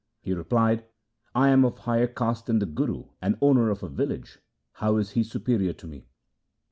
He replied, ' I am of higher caste than the Guru, and owner of a village. How is he superior to me